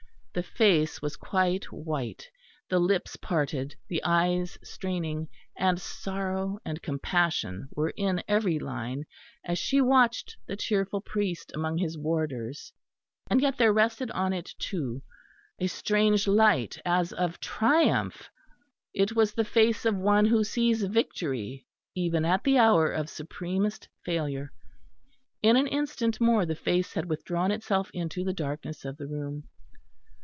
The face was quite white, the lips parted, the eyes straining, and sorrow and compassion were in every line, as she watched the cheerful priest among his warders; and yet there rested on it, too, a strange light as of triumph. It was the face of one who sees victory even at the hour of supremest failure. In an instant more the face had withdrawn itself into the darkness of the room.